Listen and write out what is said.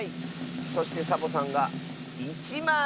そしてサボさんが１まい！